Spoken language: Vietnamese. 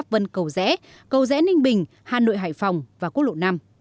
vân cầu rẽ cầu rẽ ninh bình hà nội hải phòng và quốc lộ năm